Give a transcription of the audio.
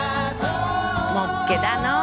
もっけだの。